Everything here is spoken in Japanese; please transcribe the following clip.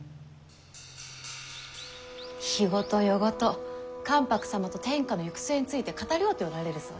日ごと夜ごと関白様と天下の行く末について語り合うておられるそうじゃ。